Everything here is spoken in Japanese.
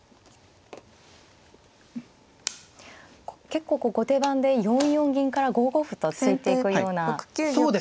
結構こう後手番で４四銀から５五歩と突いていくような。